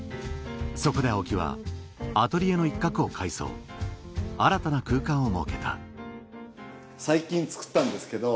そこで青木はアトリエの一角を改装新たな空間を設けた最近造ったんですけど。